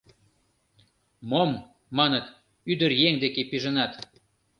— Мом, — маныт, — ӱдыр еҥ деке пижынат!